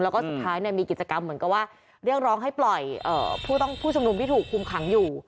แล้วก็สุดท้ายมีกิจกรรมเหมือนกับว่าเรียกร้องให้ปล่อยผู้ชุมนุมที่ถูกคุมขังอยู่